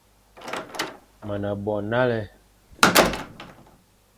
Me ne bo nale,